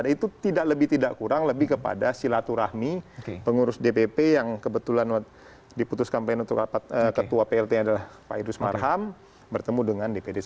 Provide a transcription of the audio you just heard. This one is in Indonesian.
itu tidak lebih tidak kurang lebih kepada silaturahmi pengurus dpp yang kebetulan diputuskan pn untuk rapat ketua plt adalah pak idrus marham bertemu dengan dpd satu